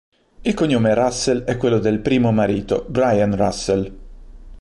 Il cognome Russell è quello del primo marito, Brian Russell.